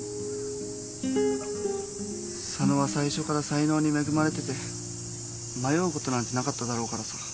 佐野は最初から才能に恵まれてて迷うことなんてなかっただろうからさ